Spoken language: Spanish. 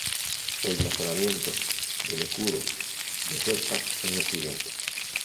El blasonamiento del escudo de Serpa es el siguiente.